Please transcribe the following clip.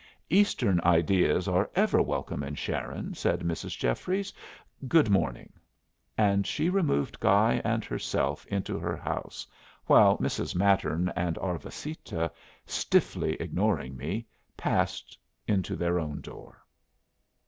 "Eastern ideas are ever welcome in Sharon," said Mrs. Jeffries. "Good morning." And she removed Guy and herself into her house, while Mrs. Mattern and Arvasita, stiffly ignoring me, passed into their own door.